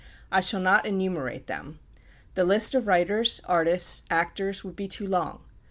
I shall not enumerate them. The list of writers, artists, actors, would be too long.